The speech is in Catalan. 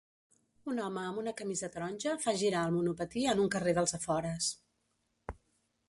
Un home amb una camisa taronja fa girar el monopatí en un carrer dels afores.